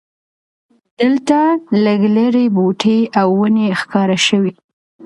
دلته لږ لرې بوټي او ونې ښکاره شوې.